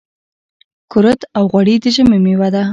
کورت او غوړي د ژمي مېوه ده .